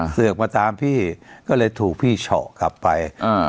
เสือกมาตามพี่ก็เลยถูกพี่เฉาะกลับไปอ่า